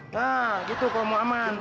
nah gitu kok mau aman